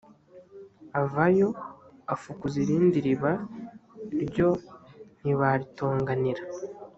avayo afukuza irindi riba ryo ntibaritonganira